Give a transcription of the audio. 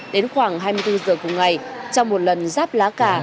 đến khoảng hai mươi bốn giờ cùng ngày trong một lần ráp lá cả